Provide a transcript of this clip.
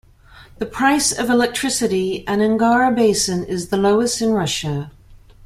The price of electricity in Angara basin is the lowest in Russia.